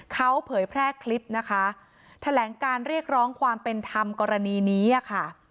เขาเผยแพร่คลิปนะคะแถลงการเรียกร้องความเป็นธรรมกรณีนี้อ่ะค่ะ